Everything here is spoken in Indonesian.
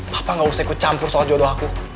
papa nggak usah ikut campur soal jodoh aku